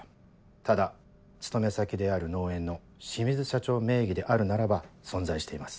ただ勤め先である農園の清水社長名義であるならば存在しています。